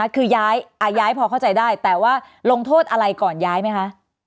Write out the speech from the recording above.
คือย้ายพอเข้าใจได้แต่ว่าลงโทษอะไรก่อนย้ายไหมคะ